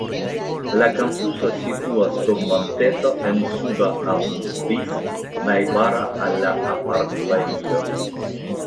La kampuso situas sur monteto en suda Abu Dis najbara al la apartbarilo.